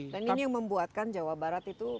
dan ini yang membuatkan jawa barat itu